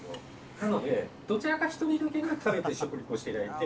なので、どちらか１人だけ食べて食リポしていただいて。